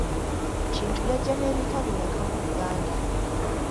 Kintu yajja n'ebika bimeka mu Buganda?